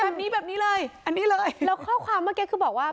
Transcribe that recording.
แบบนี้แบบนี้เลยอันนี้เลยแล้วข้อความเมื่อกี้คือบอกว่า